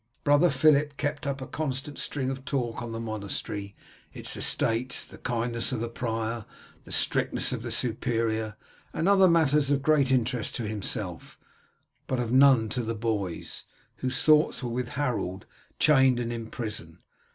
Brother Philip kept up a constant string of talk on the monastery, its estates, the kindness of the prior, the strictness of the subprior, and other matters of great interest to himself, but of none to the boys, whose thoughts were with Harold, chained and in prison.